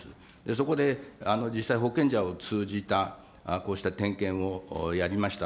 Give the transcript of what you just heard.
そこで、実際、保険者を通じたこうした点検をやりました。